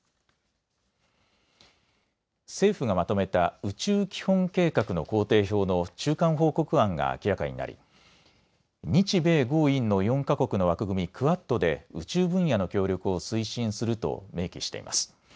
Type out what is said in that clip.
政府がまとめた宇宙基本計画の工程表の中間報告案が明らかになり日米豪印の４か国の枠組み、クアッドで宇宙分野の協力を推進すると明記しています。